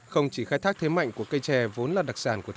không chỉ khai thác thế mạnh của cây trè vốn là đặc sản của thành phố